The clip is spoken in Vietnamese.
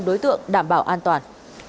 đối tượng đảm bảo an toàn